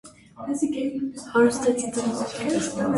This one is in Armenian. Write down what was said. Հարուստ է ծծմբով։